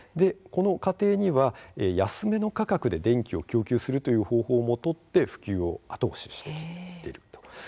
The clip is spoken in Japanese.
この家庭には安めの価格で電力を供給する方法も取って普及を後押ししています。